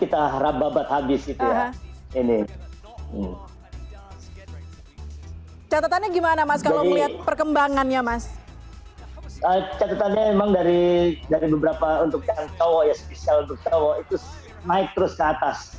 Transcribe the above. itu naik terus ke atas